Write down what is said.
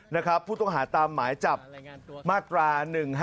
นะครับผู้ต้องหาตามหมายจับมาตรา๑๕